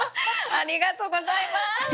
ありがとうございます。